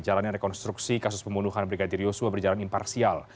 jalanan rekonstruksi kasus pembunuhan brigadir yusuf berjalan imparsial